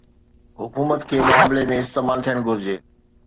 حڪومت کي معاملي ۾ استعمال ٿيڻ گهرجي